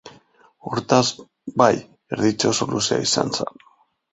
Hortaz, bai, erditze oso luzea izan zen.